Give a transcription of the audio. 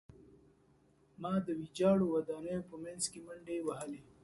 ما د ویجاړو ودانیو په منځ کې منډې وهلې